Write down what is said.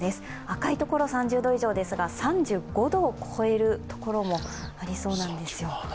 赤いところは３０度以上ですが、３５度を超えるところもありそうなんですよ。